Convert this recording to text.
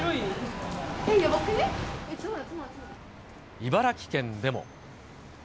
茨城県でも。